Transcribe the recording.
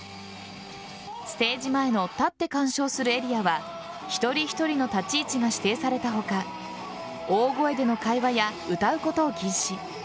ステージ前の立って鑑賞するエリアは一人一人の立ち位置が指定された他大声での会話や歌うことを禁止。